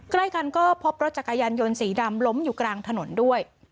ใกล้กันก็พบรถจักรยานยนต์สีดำล้มอยู่กลางถนนด้วย